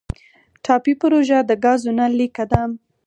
ټاپي پروژه د ګازو نل لیکه ده